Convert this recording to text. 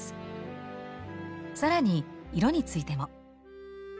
更に色についても。